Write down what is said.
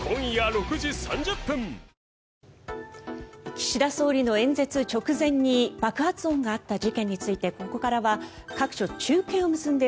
岸田総理の演説直前に爆発音があった事件についてここからは各所、中継を結んで